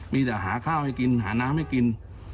มีแต่หาข้าวให้กินหาน้ำให้กิน